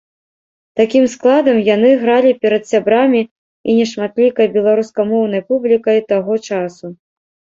Такім складам яны гралі перад сябрамі і нешматлікай беларускамоўнай публікай таго часу.